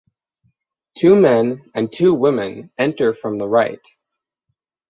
Two men and two women enter from the right.